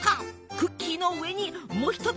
クッキーの上にもう一つ